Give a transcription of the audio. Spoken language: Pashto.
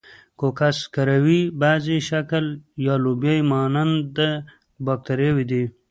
کوکس کروي، بیضوي شکل یا لوبیا مانند باکتریاوې دي.